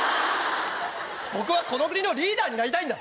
僕はこの国のリーダーになりたいんだ。